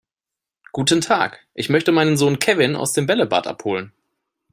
Guten Tag, ich möchte meinen Sohn Kevin aus dem Bällebad abholen.